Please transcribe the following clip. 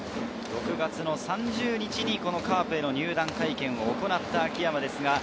６月３０日にカープへの入団会見を行った秋山です。